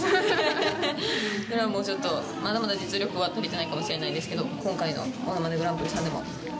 まだまだ実力は足りてないかもしれないんですけど今回の『ものまねグランプリ』さんでも。